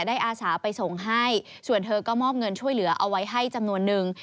อาสาไปส่งให้ส่วนเธอก็มอบเงินช่วยเหลือเอาไว้ให้จำนวนนึง